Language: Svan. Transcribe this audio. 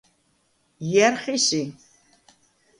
ჲა̈რ ხი სი?